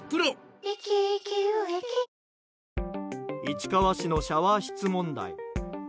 市川市のシャワー室問題。